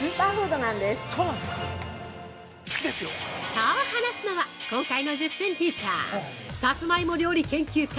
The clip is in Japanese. ◆そう話すのは、今回の１０分ティーチャーさつまいも料理研究家